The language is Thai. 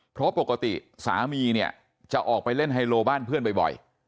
เพราะปกติสามีเนี่ยจะออกไปเล่นไฮโลบ้านเพื่อนบ่อย